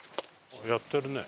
やってるね。